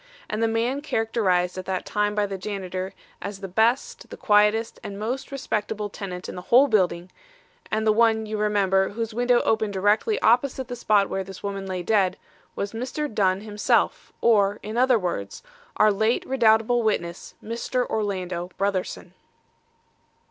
And the man characterised at that time by the janitor as the best, the quietest and most respectable tenant in the whole building, and the one you remember whose window opened directly opposite the spot where this woman lay dead, was Mr. Dunn himself, or, in other words, our late redoubtable witness, Mr. Orlando Brotherson."